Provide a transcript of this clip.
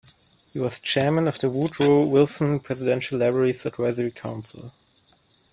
He was Chairman of the Woodrow Wilson Presidential Library's Advisory Council.